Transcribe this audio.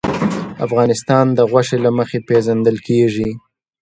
افغانستان د غوښې له مخې پېژندل کېږي.